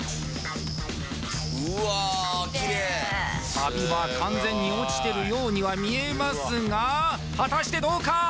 うわきれいきれいサビは完全に落ちてるようには見えますが果たしてどうか！